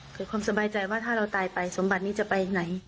เกิดความสบายใจว่าถ้าเราตายไปสมบัตินี้จะไปไหน